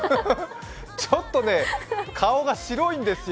ちょっとね、顔が白いんですよ。